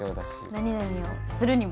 何何をするにも。